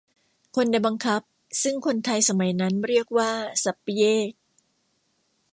คนในบังคับ ซึ่งคนไทยสมัยนั้นเรียกว่า สัปเยก